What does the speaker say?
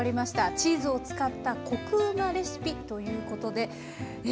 チーズを使ったコクうまレシピということでえ